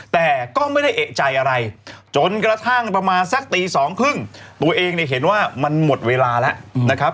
แต่ก็ไม่ได้เอกใจอะไรจนกระทั่งประมาณสักตีสองครึ่งตัวเองเนี่ยเห็นว่ามันหมดเวลาแล้วนะครับ